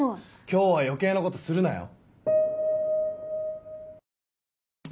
今日は余計なことするなよ。